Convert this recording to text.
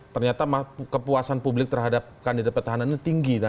ternyata kepuasan publik terhadap kandidat petahanannya tinggi